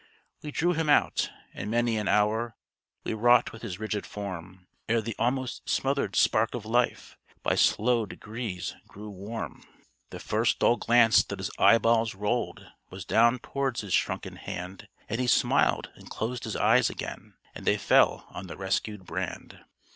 We drew him out; and many an hour We wrought with his rigid form, Ere the almost smothered spark of life By slow degrees grew warm. The first dull glance that his eyeballs rolled Was down towards his shrunken hand; And he smiled, and closed his eyes again As they fell on the rescued brand.